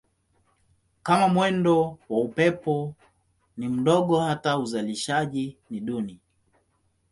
Kama mwendo wa upepo ni mdogo hata uzalishaji ni duni.